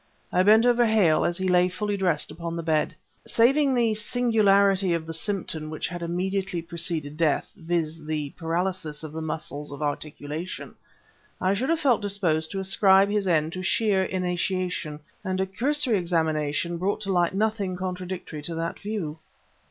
I bent over Hale, as he lay fully dressed upon the bed. Saving the singularity of the symptom which had immediately preceded death viz., the paralysis of the muscles of articulation I should have felt disposed to ascribe his end to sheer inanition; and a cursory examination brought to light nothing contradictory to that view.